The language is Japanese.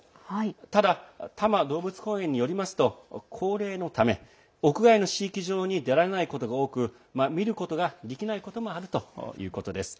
ただ、多摩動物公園によりますと高齢のため屋外の飼育場に出られないことが多く見ることができないこともあるということです。